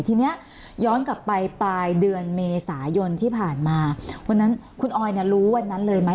ทีนี้ย้อนกลับไปปลายเดือนเมษายนที่ผ่านมาวันนั้นคุณออยเนี่ยรู้วันนั้นเลยไหม